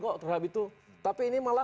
kok terhadap itu tapi ini malah